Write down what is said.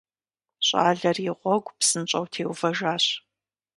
ЩӀалэр и гъуэгу псынщӀэу теувэжащ.